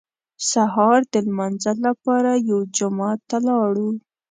سهار د لمانځه لپاره یو جومات ته لاړو.